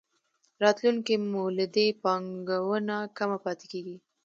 راتلونکې مولدې پانګونه کمه پاتې کېږي.